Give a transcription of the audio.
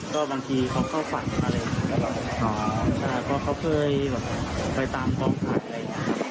ก็บางทีเขาเข้าฝันมาเลยก็เขาเคยไปตามกองถ่ายอะไรอย่างนี้